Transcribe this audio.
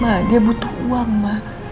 mada butuh uang ma